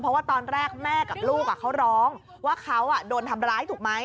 เพราะว่าตอนแรกแม่กับลูกเขาร้องว่าเขาโดนทำร้ายถูกไหม